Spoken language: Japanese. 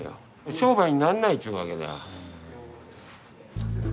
商売になんないっちゅうわけだ。